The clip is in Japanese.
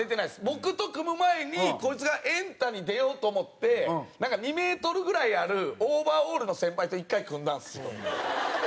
僕と組む前にこいつが『エンタ』に出ようと思ってなんか２メートルぐらいあるオーバーオールの先輩と１回組んだんですよ。